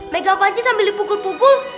megang paci sambil dipukul pukul